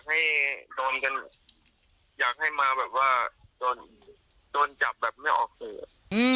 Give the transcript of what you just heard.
ตอนนี้หนูก็คุยกับตำรวจอยู่แต่ตำรวจบอกว่า